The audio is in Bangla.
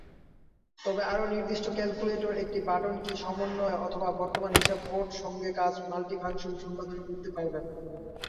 তবে, আরো নির্দিষ্ট ক্যালকুলেটর, একটি বাটন কী সমন্বয় অথবা বর্তমান হিসাব মোড সঙ্গে কাজ মাল্টি ফাংশন সম্পাদন করতে পারবেন।